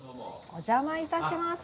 お邪魔いたします。